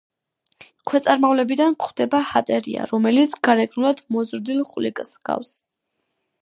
ქვეწარმავლებიდან გვხვდება ჰატერია, რომელიც გარეგნულად მოზრდილ ხვლიკს ჰგავს.